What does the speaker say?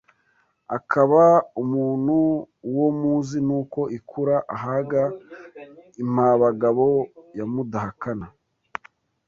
Akaba umuntu uwo muzi n’uko ikura ahaga impabagabo ya Mudahakana